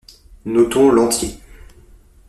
Notons l'entier.